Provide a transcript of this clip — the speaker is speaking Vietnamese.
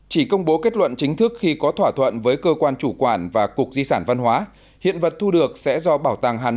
chỉ công bố kết luận chính thức khi có thỏa thuận với cơ quan chủ quản và cục di sản văn hóa hiện vật thu được sẽ do bảo tàng hà nội